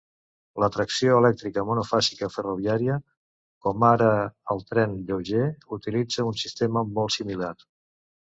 La tracció elèctrica monofàsica ferroviària, com ara el tren lleuger, utilitza un sistema molt similar.